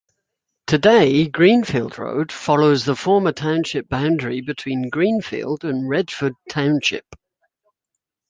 Today, Greenfield Road follows the former township boundary between Greenfield and Redford Township.